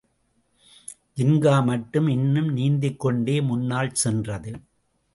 ஜின்கா மட்டும் இன்னும் நீந்திக்கொண்டே முன்னால் சென்றது.